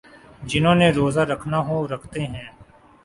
جنہوں نے روزہ رکھنا ہو رکھتے ہیں۔